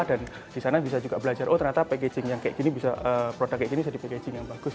dan di sana bisa juga belajar oh ternyata packaging yang kayak gini bisa di packaging yang bagus